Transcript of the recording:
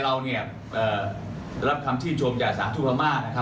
เราเนี่ยรับคำที่ชมที่สตราธิพรมาก